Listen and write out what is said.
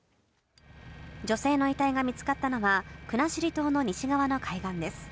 女性の遺体が見つかったのは、国後島の西側の海岸です。